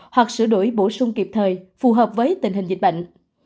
hoặc sửa đổi bổ sung kịp thời phù hợp với tình hình dịch bệnh